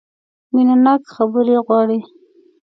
مینه ناکه خبرې غواړي .